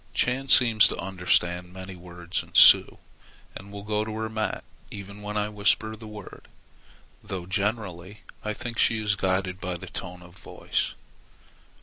Chän seems to understand many words in Sioux, and will go to her mat even when I whisper the word, though generally I think she is guided by the tone of the voice.